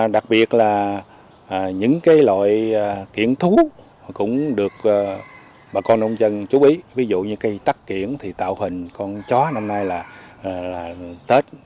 đặc biệt là những cái loại kiển thú cũng được bà con nông dân chú ý ví dụ như cái tắc kiển thì tạo hình con chó năm nay là tết